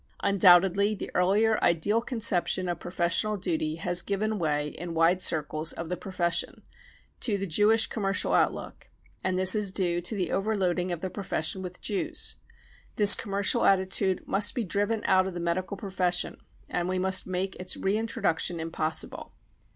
Undoubtedly, the earlier ideal conception of professional duty has given way in wide circles of the profession to the Jewish commercial outlook, and this is due to the over loading of the profes sion with Jews, This commercial attitude must be driven out of the medical profession and we must make its re introduction impossible.